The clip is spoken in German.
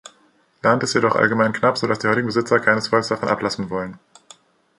Land ist jedoch allgemein knapp, sodass die heutigen Besitzer keinesfalls davon ablassen wollen.